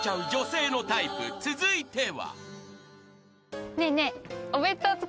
［続いては］